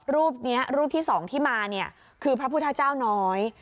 รูปที่สองที่มาคือพระพุทธเจ้าน้อย